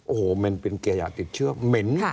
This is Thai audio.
โอ้โหมันเป็นเกียร์อยากติดเชื้อเหม็น